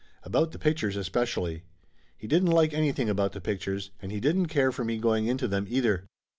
About the pictures, especially. He didn't like anything about the pictures, and he didn't care for me going into them either.